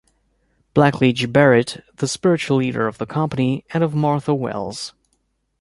Blackleach Burritt, the spiritual leader of the company, and of Martha Welles.